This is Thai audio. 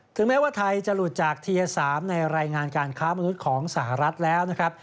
แม้ว่าไทยจะหลุดจากเทีย๓ในรายงานการค้ามนุษย์ของสหรัฐแล้วนะครับ